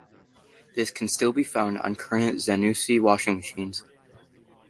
This can still be found on current Zanussi washing machines.